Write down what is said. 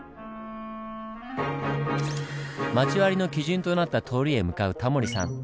町割の基準となった通りへ向かうタモリさん。